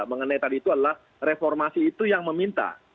mengenai tadi itu adalah reformasi itu yang meminta